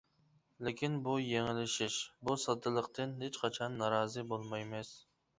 لېكىن بۇ يېڭىلىشىش، بۇ ساددىلىقتىن ھېچقاچان نارازى بولمايمىز.